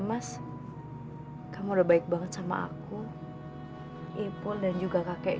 ya saya yakin kamu bukan orang jahat